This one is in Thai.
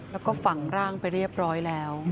แล้วก็ฝังร่างไปเรียบร้อยแล้ว